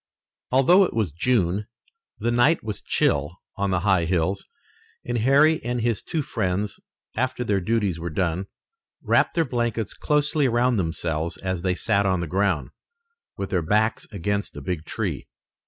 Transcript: Although it was June, the night was chill on the high hills, and Harry and his two friends, after their duties were done, wrapped their blankets closely around themselves as they sat on the ground, with their backs against a big tree.